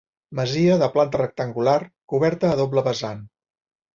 Masia de planta rectangular, coberta a doble vessant.